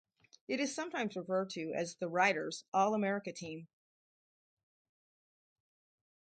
It is sometimes referred to as the "Writers' All-America Team".